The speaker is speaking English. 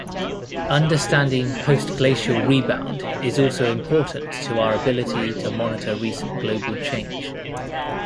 Understanding postglacial rebound is also important to our ability to monitor recent global change.